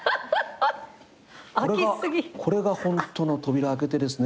これがホントの扉開けてですね